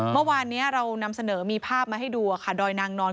เมื่อวานนี้เรานำเสนอมีภาพมาให้ดูดอยนางนอน